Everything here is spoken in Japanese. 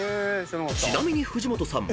［ちなみに藤本さん